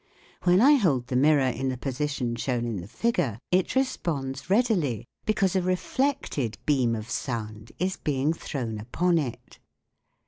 When I hold the mirror in the position shown in the figure it responds readily, because a reflected beam of sound is being thrown upon it.